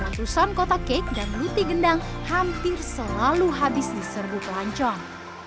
ratusan kotak kek dan luti gendang hampir selalu habis diserbu pelancong